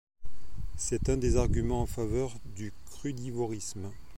C'est un des arguments en faveur du crudivorisme.